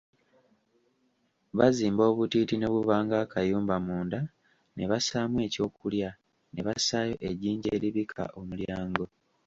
Bazimba obutiititi ne buba ng'akayumba munda ne bassaamu ekyokulya, ne bassaayo ejjinja eribikka omulyango.